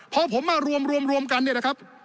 พอผมมารวมกันเนี่ยนะครับ